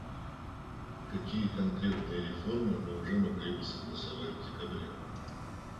Какие конкретные реформы мы уже могли бы согласовать в декабре?